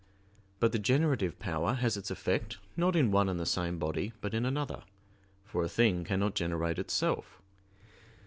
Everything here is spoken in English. But the generative power has its effect, not in one and the same body but in another; for a thing cannot generate itself.